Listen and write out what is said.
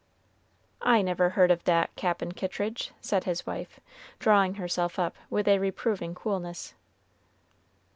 "I never heard of that, Cap'n Kittridge," said his wife, drawing herself up with a reproving coolness.